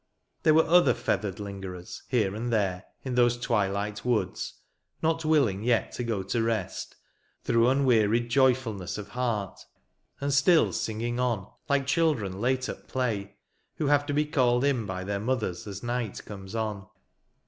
There were other feathered lingerers, here and there in those twilight Avoods, not willing yet to go to rest, through unwearied joyfulness of heart, and still singing on, like children late at play, who have to be called in by their mothers as night comes on.